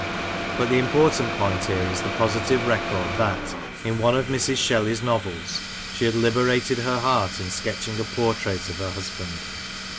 But the im portant point here is the positive record that, in one of Mrs. Shelley's novels, she had liberated her heart in sketching a portrait of her husband.